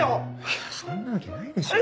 いやそんなわけないでしょ。